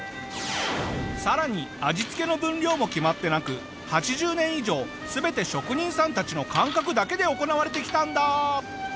さらに味付けの分量も決まってなく８０年以上全て職人さんたちの感覚だけで行われてきたんだ！